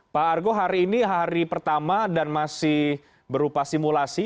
pak argo hari ini hari pertama dan masih berupa simulasi